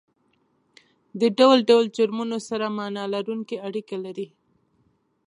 د ډول ډول جرمونو سره معنا لرونکې اړیکه لري